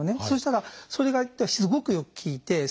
そしたらそれがすごくよく効いて。